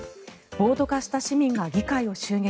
暴徒化した市民が議会を襲撃。